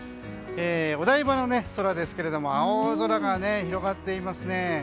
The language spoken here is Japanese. お台場の空ですが青空が広がっていますね。